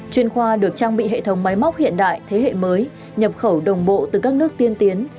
chuyên khoa được trang bị hệ thống máy móc hiện đại thế hệ mới nhập khẩu đồng bộ từ các nước tiên tiến